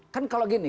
kan kalau gini